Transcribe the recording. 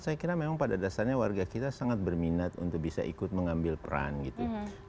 saya kira memang pada dasarnya warga kita sangat berminat untuk bisa ikut mengambil peran gitu